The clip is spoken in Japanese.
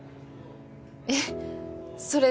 えっそれ